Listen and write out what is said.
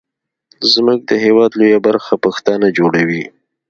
زمونږ د هیواد لویه برخه پښتانه جوړوي.